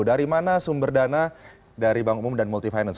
dari mana sumber dana dari bank umum dan multifinance